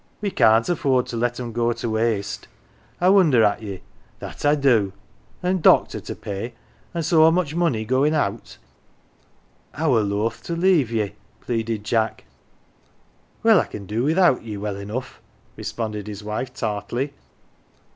We can't afford to let 'em go to waste. I wonder at ye, that I do ! an' doctor to pay, an' so much money goin' out." " I were loth to leave ye," pleaded Jack. 142 "THE GILLY F'ERS" " Well, I can do without ye, well enough,"" responded his wife, tartly.